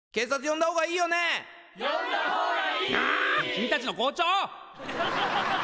君たちの校長！